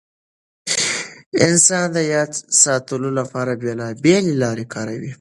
انسانان د یاد ساتلو لپاره بېلابېل لارې کاروي.